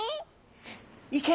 いけ！